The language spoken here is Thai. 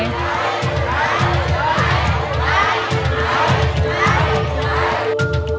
ใช้